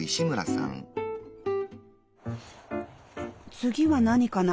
次は何かな？